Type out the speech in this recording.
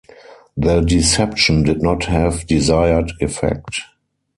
The deception did not have desired effect.